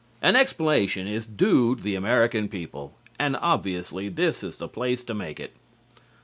An explanation is due the American people, and obviously this is the place to make it.